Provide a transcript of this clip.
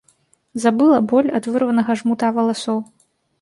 Забыла боль ад вырванага жмута валасоў.